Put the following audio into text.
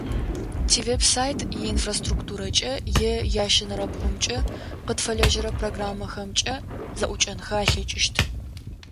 Тивеб-сайт иинфраструктурэкӏэ, е ящэнэрэ бгъумкӏэ къытфэлэжьэрэ программэхэмкӏэ зэӏукӏэнхэ алъэкӏыщт.